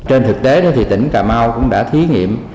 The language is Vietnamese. trên thực tế tỉnh cà mau cũng đã thí nghiệm